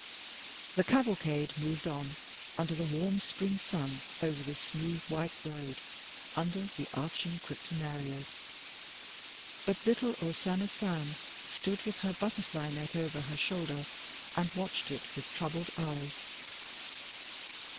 The cavalcade moved on, under the warm spring sun, over the smooth white road, under the arching cryptomerias; but little O Sana Sun stood with her butterfly net over her shoulder and watched it with troubled eyes.